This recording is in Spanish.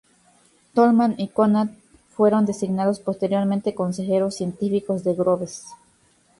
Tolman y Conant fueron designados posteriormente consejeros científicos de Groves.